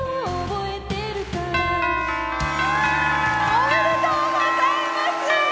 おめでとうございます！